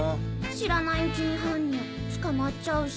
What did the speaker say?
知らないうちに犯人捕まっちゃうし。